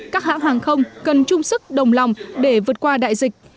các hãng hàng không cần chung sức đồng lòng để vượt qua đại dịch